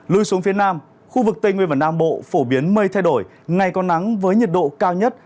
lùi xuống phía nam khu vực tây nguyên và nam bộ phổ biến mây thay đổi ngày có nắng với nhiệt độ cao nhất